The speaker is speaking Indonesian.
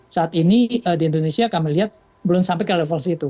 saat ini di indonesia kami lihat belum sampai ke level situ